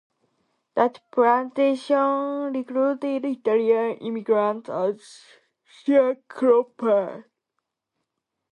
That plantation recruited Italian immigrants as sharecroppers.